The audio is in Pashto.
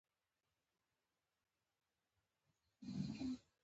دندې لږې وې.